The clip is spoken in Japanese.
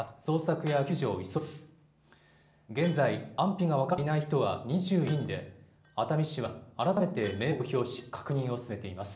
現在、安否が分かっていない人は２４人で熱海市は改めて名簿を公表し、確認を進めています。